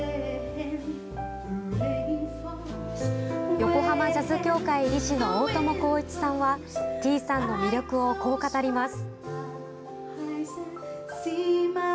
横浜ジャズ協会理事の大伴公一さんはｔｅａさんの魅力をこう語ります。